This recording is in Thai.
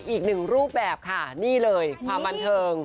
อีกหนึ่งรูปแบบค่ะนี่เลยความบันเทิง